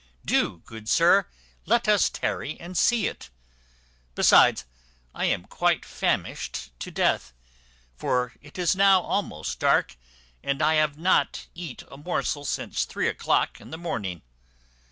Do, good sir, let us tarry and see it. Besides, I am quite famished to death; for it is now almost dark, and I have not eat a morsel since three o'clock in the morning."